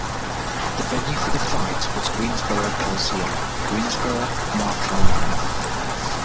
The venue for the fight was Greensboro Coliseum, Greensboro, North Carolina.